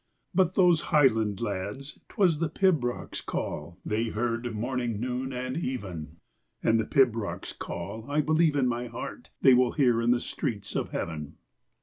But those highland lads, 'twas the pibroch's call They heard morning, noon, and even, And the pibroch's call, I believe in my heart, They will hear in the streets of heaven.